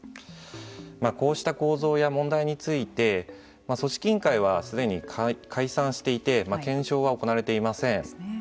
こうした構造や問題について組織委員会はすでに解散していて検証は行われていません。